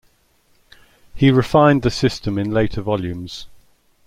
He refined the system in later volumes.